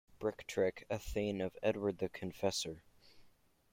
Brictric, a thegn of Edward the Confessor.